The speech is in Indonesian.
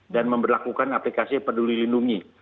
dan memperlakukan aplikasi peduli lindungi